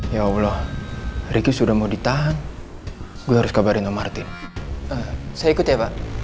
ya allah riki sudah mau ditahan gue harus kabarin sama martin saya ikut ya pak